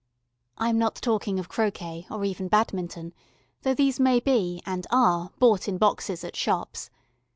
I am not talking of croquet, or even badminton, though these may be, and are, bought in boxes at shops.